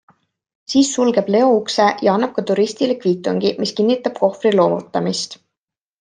Siis sulgeb Leo ukse ja annab ka turistile kviitungi, mis kinnitab kohvri loovutamist.